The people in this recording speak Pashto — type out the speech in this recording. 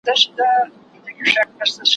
چي خبر سو جادوګرښارته راغلی